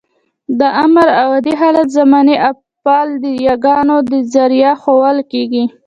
د امر او عادي حالت زماني افعال د يګانو په ذریعه ښوول کېږي.